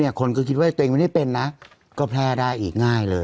คนก็คิดว่าตัวเองไม่ได้เป็นนะก็แพร่ได้อีกง่ายเลย